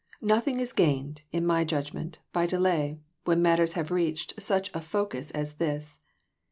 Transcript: Nothing is gained, in my judgment, by delay, when matters have reached such a focus as this.